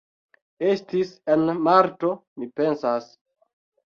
Estis en marto mi pensas